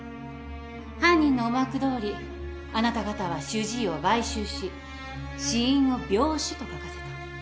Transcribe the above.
犯人の思惑どおりあなた方は主治医を買収し死因を病死と書かせた。